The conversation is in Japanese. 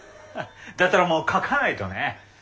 だったらもう書かないとね。